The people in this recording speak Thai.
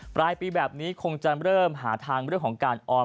ปลายปีแบบนี้คงจะเริ่มหาทางเรื่องของการออม